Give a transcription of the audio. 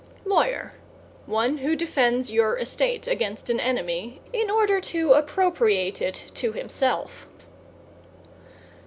=LAWYER= One who defends your estate against an enemy, in order to appropriate it to himself.